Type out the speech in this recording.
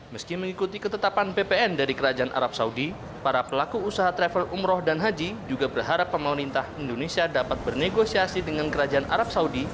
meski mengikuti ketetapan ppn dari kerajaan arab saudi para pelaku usaha travel umroh dan haji juga berharap pemerintah indonesia dapat bernegosiasi dengan kerajaan arab saudi